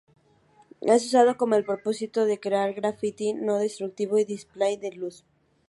Es usado con el propósito de crear graffiti no-destructivo y displays de luz.